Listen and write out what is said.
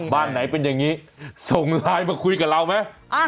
บ้านไหนเป็นอย่างนี้ส่งไลน์มาคุยกับเราไหม